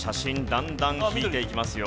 だんだん引いていきますよ。